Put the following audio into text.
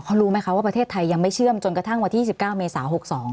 เขารู้ไหมคะว่าประเทศไทยยังไม่เชื่อมจนกระทั่งวันที่๑๙เมษา๖๒